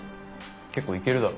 結構いけるだろ。